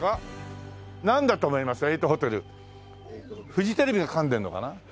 フジテレビがかんでるのかな？